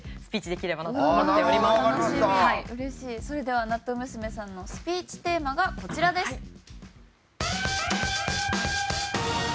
それではなっとう娘さんのスピーチテーマがこちらです。